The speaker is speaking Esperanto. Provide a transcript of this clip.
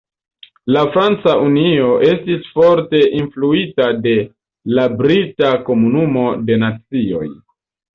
La Franca Unio estis forte influita de la brita Komunumo de Nacioj.